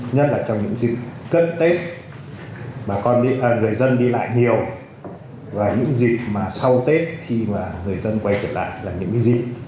nhất là trong những dịp cân tết mà người dân đi lại nhiều và những dịp mà sau tết khi mà người dân quay trở lại là những dịp